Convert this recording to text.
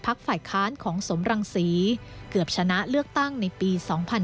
ภักดิ์ไฟค้านของสมรังซีเกือบชนะเลือกตั้งในปี๒๕๕๖